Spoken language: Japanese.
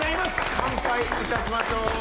乾杯いたしましょう！